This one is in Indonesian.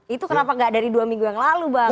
itu kenapa gak dari dua minggu yang lalu bang